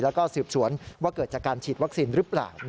แล้วก็สืบสวนว่าเกิดจากการฉีดวัคซีนหรือเปล่า